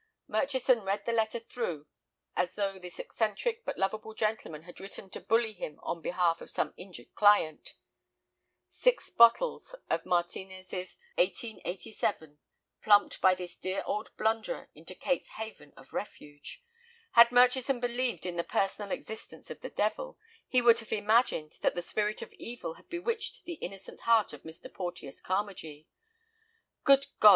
Murchison read the letter through as though this eccentric but lovable gentleman had written to bully him on behalf of some injured client. Six bottles of Martinez's 1887, plumped by this dear old blunderer into Kate's haven of refuge! Had Murchison believed in the personal existence of the devil, he would have imagined that the Spirit of Evil had bewitched the innocent heart of Mr. Porteus Carmagee. Good God!